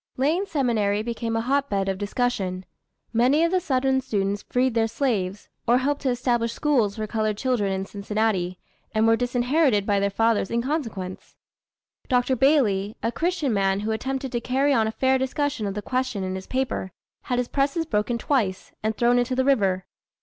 Lane Seminary became a hot bed of discussion. Many of the Southern students freed their slaves, or helped to establish schools for colored children in Cincinnati, and were disinherited by their fathers in consequence. Dr. Bailey, a Christian man who attempted to carry on a fair discussion of the question in his paper, had his presses broken twice and thrown into the river.